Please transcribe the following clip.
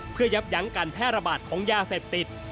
เพื่อยับยั้งการแพร่ระบาดของยาเสพติด